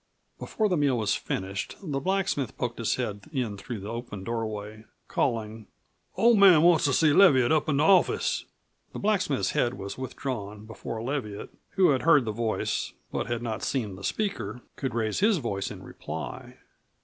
Before the meal was finished the blacksmith poked his head in through the open doorway, calling: "Ol' Man wants to see Leviatt up in the office!" The blacksmith's head was withdrawn before Leviatt, who had heard the voice but had not seen the speaker, could raise his voice in reply.